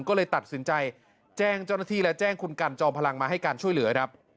ก็เลยตัดสินใจแจ้งเจ้าหน้าที่และแจ้งคุณกันจอมพลังมาให้การช่วยเหลือครับ